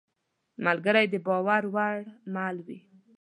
ملګری د باور وړ مل وي.